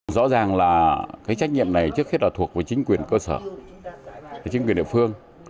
rõ ràng là cái trách nhiệm này trước hết là thuộc về chính quyền cơ sở chính quyền địa phương